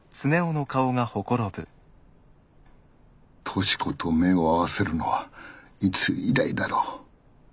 十志子と目を合わせるのはいつ以来だろう。